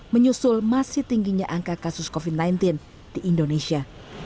menyusul masih tingginya angka kasus covid sembilan belas di indonesia